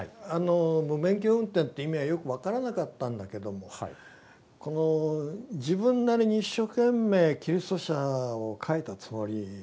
無免許運転って意味はよく分からなかったんだけどもこの自分なりに一生懸命キリスト者を書いたつもり。